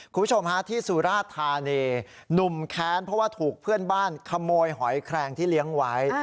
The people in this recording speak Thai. คุณผู้ชมฮะที่สุราธานีหนุ่มแค้นเพราะว่าถูกเพื่อนบ้านขโมยหอยแครงที่เลี้ยงไว้